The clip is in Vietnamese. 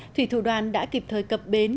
thủy thủ đoàn đã kịp thời cập bến